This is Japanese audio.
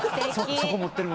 そこ持ってるのね。